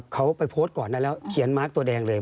เขาไปโพสต์ก่อนนั้นแล้วเขียนมาร์คตัวแดงเลย